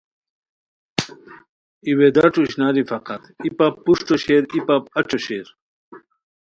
ای ویداݯو اشناری فقط، ای پپ پروشٹو شیر ای پپ اچو شیر